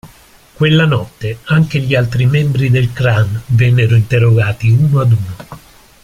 Quella notte anche gli altri membri del Clan vennero interrogati uno ad uno.